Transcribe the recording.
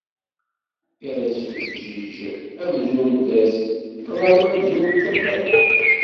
Iḍ ittfeǧǧiǧ amzun d ass, ṭṭlam amzun d tafat.